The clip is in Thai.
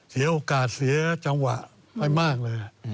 เสียโอกาสเสียจังหวะไปมากเลย